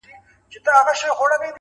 رمې به پنډي وي او ږغ به د شپېلیو راځي!